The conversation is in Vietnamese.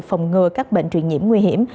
phòng ngừa các bệnh truyền nhiễm nguy hiểm